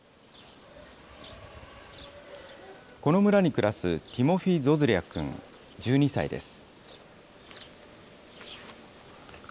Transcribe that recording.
この村に暮らすティモフィ・ゾズリャ君１２歳です。